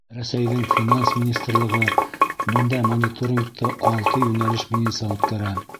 Рәсәйҙең Финанс министрлығы бындай мониторингты алты йүнәлеш буйынса үткәрә.